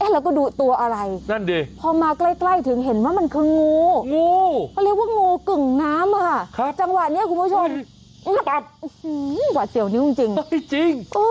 แล้วก็ดูตัวอะไรพอมาใกล้ถึงเห็นว่ามันคืองูคืองูกึ่งน้ำอ่ะจังหวะนี้คุณผู้ชมหวัดเสี่ยวนิ้วจริงจริง